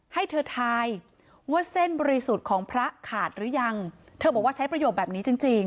ให้เธอทายว่าเส้นบริสุทธิ์ของพระขาดหรือยังเธอบอกว่าใช้ประโยชน์แบบนี้จริงจริง